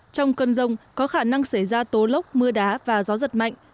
trong cơn rông có khả năng xảy ra tố lốc mưa đá và gió giật mạnh